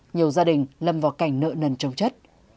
nhiều gia đình lâm vào cảnh nợ nần trông chất